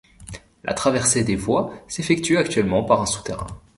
La traversée des voies s'effectue actuellement par un souterrain.